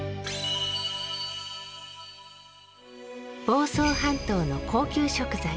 房総半島の高級食材